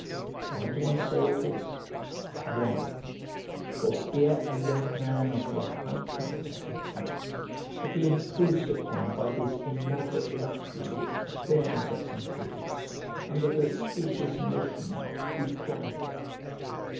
Why do I say all this? Why, for fear a young man of your high character and promise should be imposed upon by this immoderate luxury which prevails at some tables, under the specious notion of frugality.